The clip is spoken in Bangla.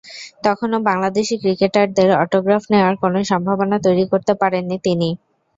তখনো বাংলাদেশি ক্রিকেটারদের অটোগ্রাফ নেওয়ার কোনো সম্ভাবনা তৈরি করতে পারেননি তিনি।